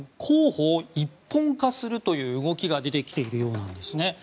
候補を一本化するという動きが出てきているようなんですね。